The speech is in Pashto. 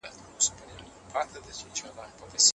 د جرم په بدل کي انسان نه ورکول کیږي.